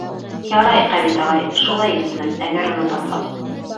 — Ярай, Ғәбит ағай, шулай итермен, әгәр уны тапһам...